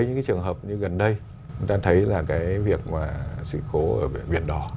những cái trường hợp như gần đây chúng ta thấy là cái việc mà sự cố ở biển đỏ